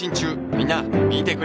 みんな見てくれよな